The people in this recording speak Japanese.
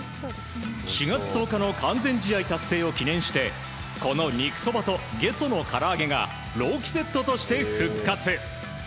４月１０日の完全試合を記念してこの肉そばとゲソから上げが朗希セットとして復活。